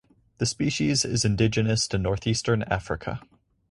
The species is indigenous to northeastern Africa.